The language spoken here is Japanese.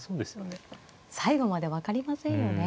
最後まで分かりませんよね。